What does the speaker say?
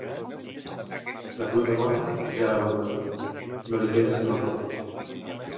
La fruita bona, ja l'ha venuda tota: no li queda sinó el rebuig.